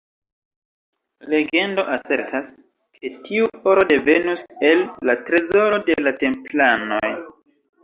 Legendo asertas, ke tiu oro devenus el la trezoro de la Templanoj.